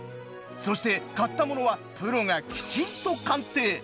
そして買ったものはプロがきちんと鑑定。